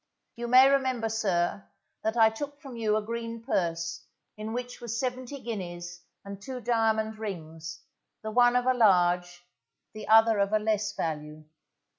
You may remember, sir, that I took from you a green purse, in which was seventy guineas, and two diamond rings, the one of a large, the other of a less value.